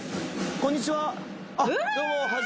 こんにちは